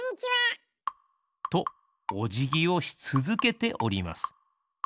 とおじぎをしつづけております。